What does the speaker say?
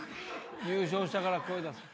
優勝したから声出そう。